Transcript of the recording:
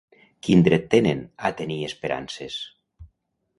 Quin dret tenen a tenir esperances?